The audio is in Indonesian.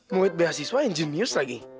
murid beasiswa ingenius lagi